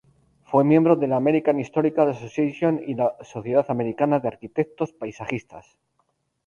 Fue miembro de la American Historical Association y la Sociedad Americana de Arquitectos Paisajistas.